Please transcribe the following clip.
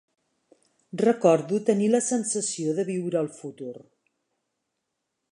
Recordo tenir la sensació de viure el futur.